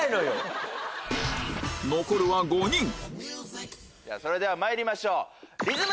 残るは５人それではまいりましょう。